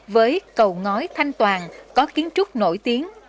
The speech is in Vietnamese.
với cầu ngói thanh toàn có kiến trúc nổi tiếng